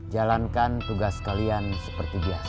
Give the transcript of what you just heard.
jalankan tugas kalian seperti biasa